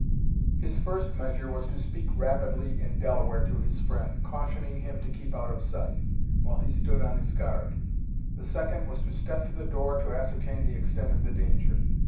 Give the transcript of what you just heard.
His first measure was to speak rapidly in Delaware to his friend, cautioning him to keep out of sight, while he stood on his guard; the second was to step to the door to ascertain the extent of the danger.